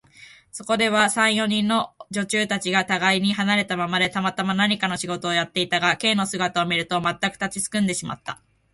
そこでは、三、四人の女中がたがいに離れたままで、たまたま何かの仕事をやっていたが、Ｋ の姿を見ると、まったく立ちすくんでしまった。